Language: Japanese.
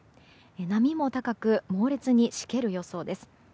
波も高く猛烈にしける予想です。